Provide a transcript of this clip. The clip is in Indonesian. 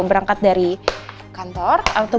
berangkat dari kantor atau